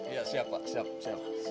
iya siap pak